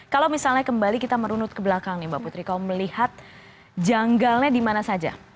kalau misalnya kembali kita merunut ke belakang nih mbak putri kau melihat janggalnya di mana saja